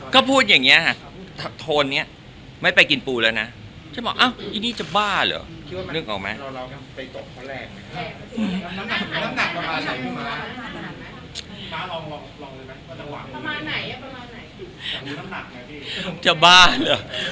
เขาพูดอย่างเงี้ยฮะโทนเนี้ยไม่ไปกินปูแล้วน่ะฉันบอกอ้าวอี้นี่จะบ้าเหรอนึกออกไหม